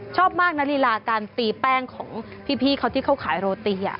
ชอบมากนะลีลาการตีแป้งของพี่เขาที่เขาขายโรตี